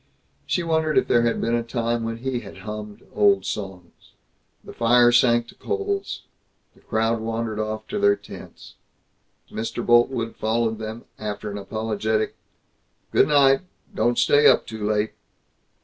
She wondered if there had been a time when he had hummed old songs. The fire sank to coals. The crowd wandered off to their tents. Mr. Boltwood followed them after an apologetic, "Good night. Don't stay up too late."